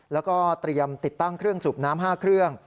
แล้วก็เตรียมติดตั้งเครื่องสูบน้ำ๕เครื่อง